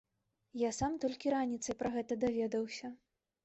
Я сам толькі раніцай пра гэта даведаўся.